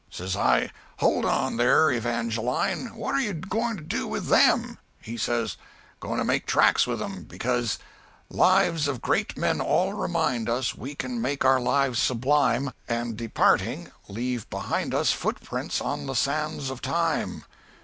Says I, 'Hold on, there, Evangeline, what are you going to do with them! He says, 'Going to make tracks with 'em; because "'Lives of great men all remind us We can make our lives sublime; And, departing, leave behind us Footprints on the sands of time.'